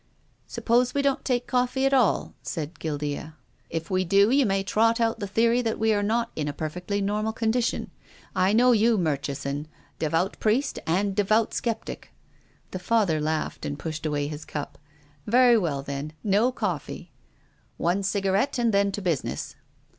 "Suppose we don't take coffee at all?" said Guildea. " If we do you may trot out the theory that we are not in a perfectly normal condition. I know you, Murchison, devout Priest and devout sceptic." The Father laughed and pushed away his cup. " Very well, then. No coffee." " One cigarette, and then to business."